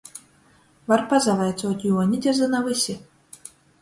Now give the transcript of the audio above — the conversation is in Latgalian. Var pasavaicuot — Juoni te zyna vysi.